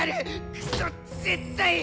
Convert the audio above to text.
クソッ絶対！